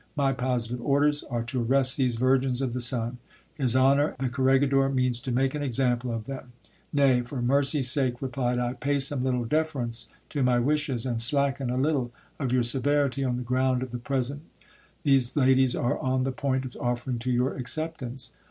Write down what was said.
My positive orders are to arrest these virgins of the sun ; his honour the corregidor means to make an example of them. Nay ! fo mercy's sake, replied I, pay some little deference to my wishes, and slacken a little of your severity, on the ground of the present these ladies are on the pcint of offering to your acceptance.